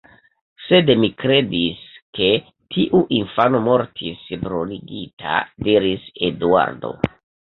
Sed mi kredis, ke tiu infano mortis bruligita, diris Eduardo.